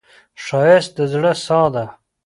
ښایست د زړه ساه ده